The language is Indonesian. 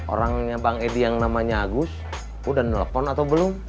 orangnya bang edi yang namanya agus udah nelpon atau belum